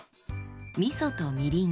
みそとみりん